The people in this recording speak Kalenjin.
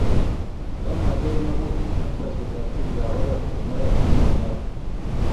komakiyai magutik ak boisietab tugukab poror eng oret ne monyolu